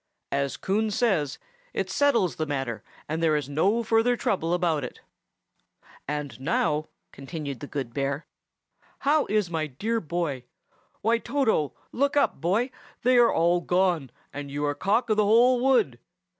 As Coon says, it settles the matter, and there is no further trouble about it. And now," continued the good bear, "how is my dear boy? Why, Toto! look up, boy. They are all gone, and you are cock of the whole wood.